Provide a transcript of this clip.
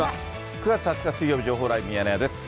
９月２０日水曜日、情報ライブミヤネ屋です。